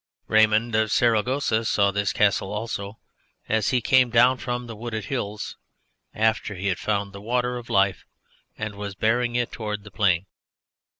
Raymond of Saragossa saw this Castle, also, as he came down from the wooded hills after he had found the water of life and was bearing it towards the plain.